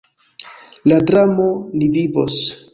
La dramo "Ni vivos!